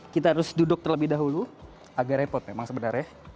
kita harus duduk terlebih dahulu agak repot memang sebenarnya